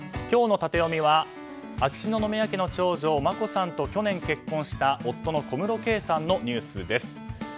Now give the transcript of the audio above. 今日のタテヨミは秋篠宮家の長女・眞子さんと去年結婚した夫の小室圭さんのニュースです。